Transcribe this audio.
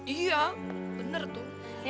iya bener tuh